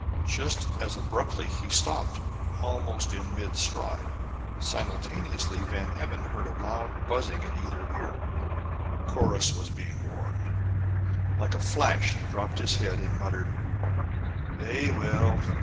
Just as abruptly he stopped, almost in mid stride. Simultaneously Van Emmon heard a loud buzzing in either ear. Corrus was being warned. Like a flash he dropped his head and muttered: "Vey well.